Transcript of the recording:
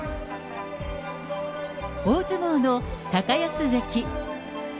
大相撲の高安関。